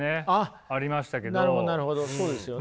なるほどなるほどそうですよね。